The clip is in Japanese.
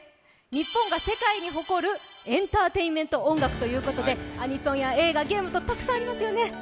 日本が世界に誇るエンターテインメント音楽ということで、アニソンや映画、ゲームとたくさんありますよね。